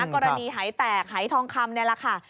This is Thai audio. กรณีหายแตกหายทองคำนี่แหละค่ะ